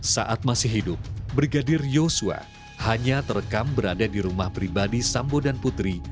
saat masih hidup brigadir yosua hanya terekam berada di rumah pribadi sambo dan putri